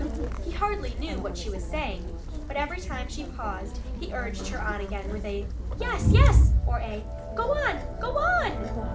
He hardly knew what she was saying. But every time she paused he urged her on again with a "Yes, yes!" or a "Go on! Go on!"